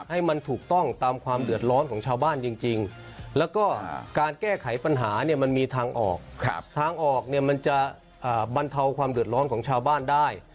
ให้มันถูกต้องตามความเดือดร้อนของชาวบ้านจริงแล้วก็การแก้ไขปัญหาเนี่ยมันมีทางออกทางออกเนี่ยมันจะบรรเทาความเดือดร้อนของชาวบ้านได้